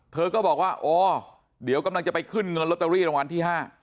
เธอก็บอกว่าอ๋อเดี๋ยวกำลังจะไปขึ้นเงินลอตเตอรี่รางวัลที่๕